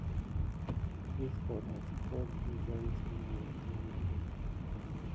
Heskote adkota ɗazen su lumu teline agəlzevədal.